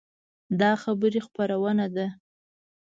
دا خبري خپرونه ده